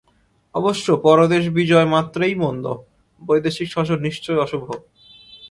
অবশ্য পরদেশ-বিজয় মাত্রেই মন্দ, বৈদেশিক শাসন নিশ্চয়ই অশুভ।